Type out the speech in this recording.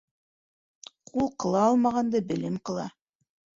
Ҡул ҡыла алмағанды белем ҡыла.